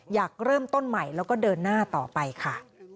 อยากเริ่มต้นใหม่แล้วก็เดินหน้าต่อไปค่ะ